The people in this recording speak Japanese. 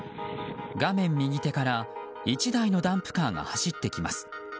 画面右手から１台のダンプカーが走ってきます。